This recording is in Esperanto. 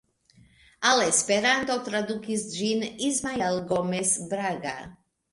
Al Esperanto tradukis ĝin Ismael Gomes Braga.